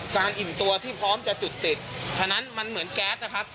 อิ่มตัวที่พร้อมจะจุดติดฉะนั้นมันเหมือนแก๊สนะครับ